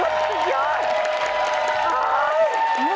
โอ้โฮโอ้โฮโอ้โฮ